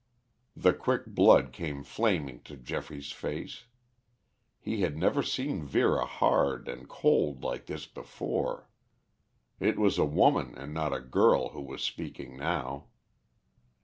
The quick blood came flaming to Geoffrey's face. He had never seen Vera hard and cold like this before. It was a woman and not a girl who was speaking now.